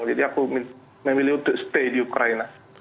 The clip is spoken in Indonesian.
jadi aku memilih untuk stay di ukraina